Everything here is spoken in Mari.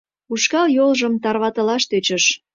Ушкал йолжым тарватылаш тӧчыш...